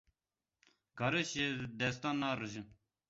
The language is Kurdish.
Garis ji destan narijin.